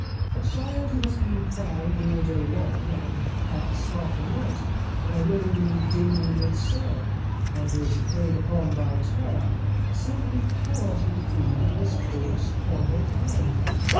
A child who has been crying all day long, and perhaps half the night, in a lonely dimly lit cell, and is preyed upon by terror, simply cannot eat food of this coarse, horrible kind.